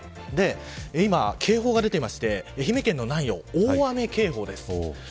今、警報が出ていまして愛媛県の南予大雨警報です。